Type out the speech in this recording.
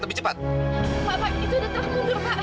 pak pak itu udah tak mundur pak